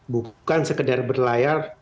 bukan sekedar berlayar